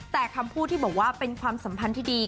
แต่คำพูดที่บอกว่าเป็นความสัมพันธ์ที่ดี